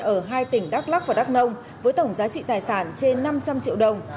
ở hai tỉnh đắk lắc và đắk nông với tổng giá trị tài sản trên năm trăm linh triệu đồng